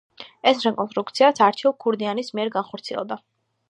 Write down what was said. ეს რეკონსტრუქციაც არჩილ ქურდიანის მიერ განხორციელდა.